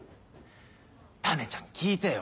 ためちゃん聞いてよ。